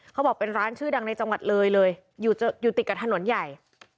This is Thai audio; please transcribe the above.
เขาบอกเป็นร้านชื่อดังในจังหวัดเลยเลยอยู่ติดกับถนนใหญ่